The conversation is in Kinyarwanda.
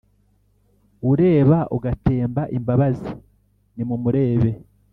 Ureba ugatemba imbabazi ni mumurebe